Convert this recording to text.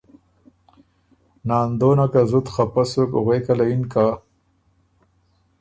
ناندونه ګۀ زُت خپۀ سُک غوېکه له یِن که